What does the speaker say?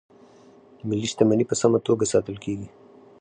ملي شتمنۍ په سمه توګه ساتل کیږي.